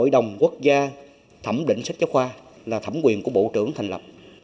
hội đồng quốc gia thẩm định sách giáo khoa là thẩm quyền của bộ trưởng thành lập